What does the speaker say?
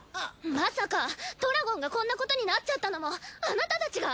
まさかトラゴンがこんなことになっちゃったのもあなたたちが！？